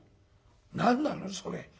「何なの？それ」。